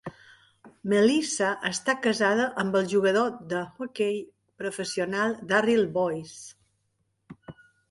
Melissa està casada amb el jugador d'hoquei professional Darryl Boyce.